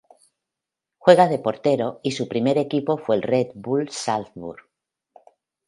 Juega de portero y su primer equipo fue Red Bull Salzburg.